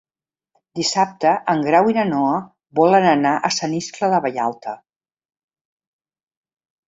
Dissabte en Grau i na Noa volen anar a Sant Iscle de Vallalta.